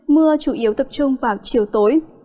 mưa chủ yếu tập trung vào chiều tối